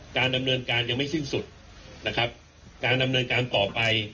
การดำเนินการยังไม่สิ้นสุดนะครับการดำเนินการต่อไป